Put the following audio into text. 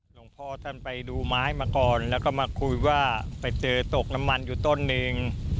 หลวงพ่อท่านไปดูไม้มาก่อนแล้วก็มาคุยว่าไปเจอตกน้ำมันอยู่ต้นหนึ่ง